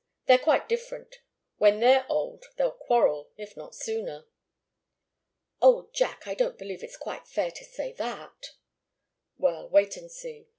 They're quite different. When they're old, they'll quarrel if not sooner." "Oh, Jack I don't believe it's quite fair to say that!" "Well wait and see.